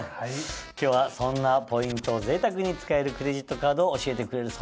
今日はそんなポイントを贅沢に使えるクレジットカードを教えてくれるそうです。